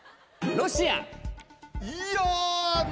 ロシア！